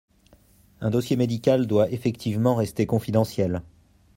Un dossier médical doit effectivement rester confidentiel.